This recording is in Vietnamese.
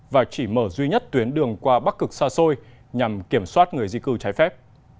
và chỉ mở duy nhất tuyến đường qua bắc cực xa xôi nhằm kiểm soát người di cư trái phép